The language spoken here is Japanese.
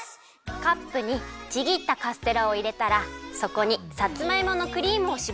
カップにちぎったカステラをいれたらそこにさつまいものクリームをしぼります。